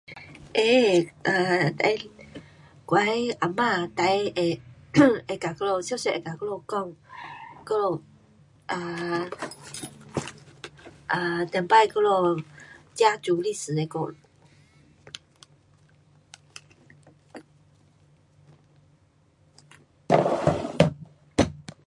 会，um 我的啊妈，最会， 会跟我们，常常会跟我们讲，我们，啊，上次我们家族历史的故事。